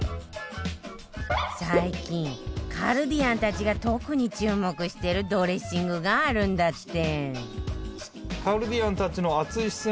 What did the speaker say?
最近カルディアンたちが特に注目してるドレッシングがあるんだって